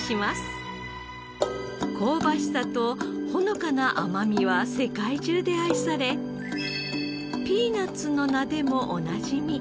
香ばしさとほのかな甘みは世界中で愛されピーナッツの名でもおなじみ。